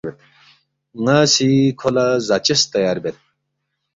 “ ن٘ا سی کھو لہ زاچس تیار بید